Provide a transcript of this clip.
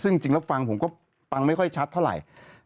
ซึ่งจริงแล้วฟังผมก็ฟังไม่ค่อยชัดเท่าไหร่